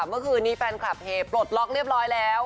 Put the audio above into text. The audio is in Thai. เมื่อคืนนี้แฟนคลับเฮปลดล็อกเรียบร้อยแล้ว